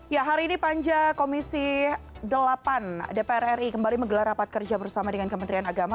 ya hari ini panja komisi delapan dpr ri kembali menggelar rapat kerja bersama dengan kementerian agama